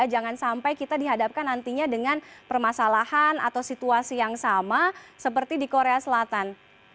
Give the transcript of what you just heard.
jangan sampai kita dihadapkan nantinya dengan permasalahan atau situasi yang sama seperti di korea selatan